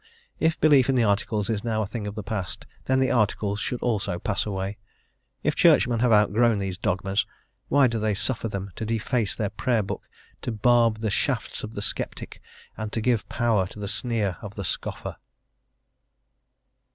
If belief in the Articles is now a thing of the past, then the Articles should also pass away; if Churchmen have outgrown these dogmas, why do they suffer them to deface their Prayer Book, to barb "the shafts of the sceptic, and to give power to the sneer of the scoffer?"